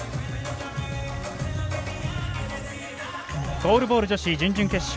ゴールボール女子準々決勝。